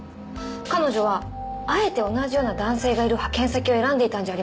彼女はあえて同じような男性がいる派遣先を選んでいたんじゃありませんか？